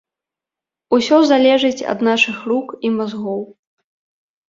Усё залежыць ад нашых рук і мазгоў.